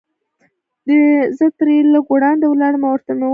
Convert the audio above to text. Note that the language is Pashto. زه ترې لږ وړاندې ولاړم او ورته مې وویل.